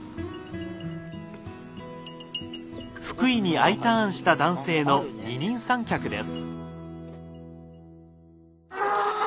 福井にＩターンした男性の二人三脚です。